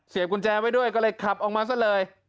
กุญแจไว้ด้วยก็เลยขับออกมาซะเลย